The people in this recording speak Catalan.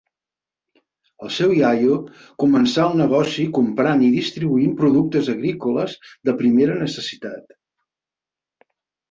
El seu iaio començà el negoci comprant i distribuint productes agrícoles de primera necessitat.